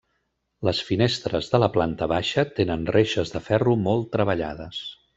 Les finestres de la planta baixa tenen reixes de ferro molt treballades.